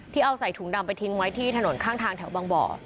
เอาใส่ถุงดำไปทิ้งไว้ที่ถนนข้างทางแถวบางบ่อ